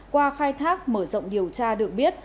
qua khai thác mở rộng điều tra được biết